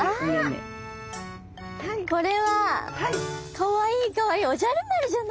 かわいいかわいいおじゃる丸じゃないですか！？